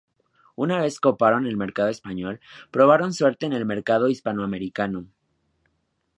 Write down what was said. Una vez coparon el mercado español, probaron suerte en el mercado hispanoamericano.